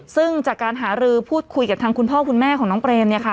ซึ่งจากการหารือพูดคุยกับทางคุณพ่อคุณแม่ของน้องเปรมเนี่ยค่ะ